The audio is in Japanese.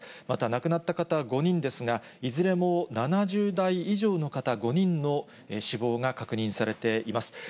また亡くなった方は５人ですが、いずれも７０代以上の方、５人の死亡が確認されています。